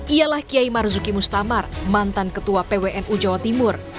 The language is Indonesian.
ialah kiai marzuki mustamar mantan ketua pwnu jawa timur